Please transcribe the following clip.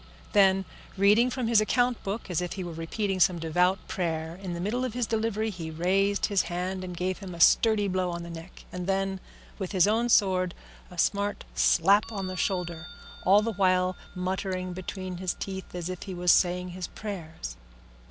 Then, reading from his account book as if he were repeating some devout prayer, in the middle of his delivery he raised his hand and gave him a sturdy blow on the neck, and then, with his own sword, a smart slap on the shoulder, all the while muttering between his teeth as if he was saying his prayers.